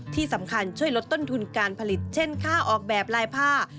ที่สำคัญช่วยลดต้นทุนการผลิตเช่นค่าออกแบบลายผ้า